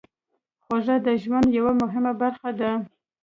خوږه د ژوند یوه مهمه برخه ده.